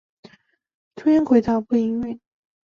中央轨道不营运。